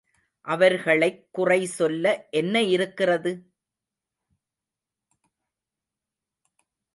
அவர்களைக் குறைசொல்ல என்ன இருக்கிறது?